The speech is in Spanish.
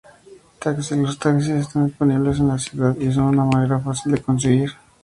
Taxi:Los taxis están disponibles en la ciudad y son una manera fácil de conseguir.